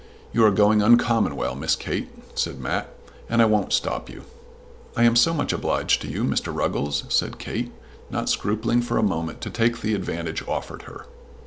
"You are going uncommon well, Miss Kate," said Mat, "and I won't stop you." "I am so much obliged to you, Mr. Ruggles," said Kate, not scrupling for a moment to take the advantage offered her.